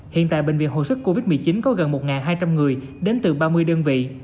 hiện tại bệnh viện hồi sức covid một mươi chín có gần một hai trăm linh người đến từ ba mươi đơn vị